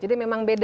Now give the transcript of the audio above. jadi memang beda